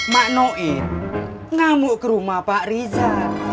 manoid ngamuk ke rumah pak riza